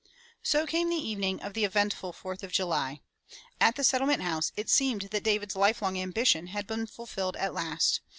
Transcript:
So came the evening of the eventful Fourth of July. At the Settlement House it seemed that David*s life long ambition had been fulfilled at last.